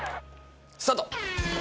「スタート！」